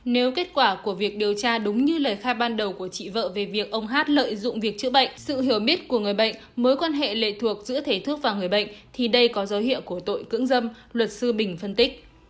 nếu kết quả của việc điều tra đúng như lời khai ban đầu của chị vợ về việc ông hát lợi dụng việc chữa bệnh sự hiểu biết của người bệnh mối quan hệ lệ thuộc giữa thể thức và người bệnh thì đây có dấu hiệu của tội cưỡng dâm luật sư bình phân tích